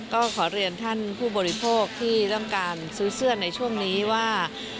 ก็ขอเรียนท่านผู้บริโภคที่ต้องการซื้อเสื้อในช่วงนี้ว่า